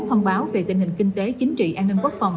thông báo về tình hình kinh tế chính trị an ninh quốc phòng